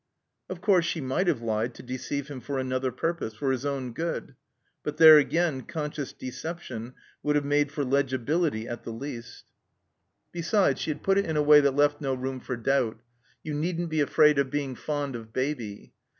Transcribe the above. Of course, she might have lied to deceive him for another purpose, for his own good. But there again conscious deception would have made for legibility at the least. 254 THE COMBINED MAZE Besides, she had put it in a way that left no room for doubt. "You needn't be afraid of being fond of Baby."